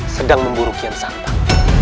sedang memburu kian santan